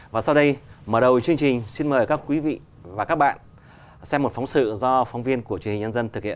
và sau đây mở đầu chương trình xin mời các quý vị và các bạn xem một phóng sự do phóng viên của truyền hình nhân dân thực hiện